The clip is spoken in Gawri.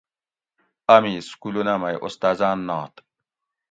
امی سکولونہ مئی استازاۤن نات